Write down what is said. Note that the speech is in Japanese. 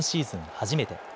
初めて。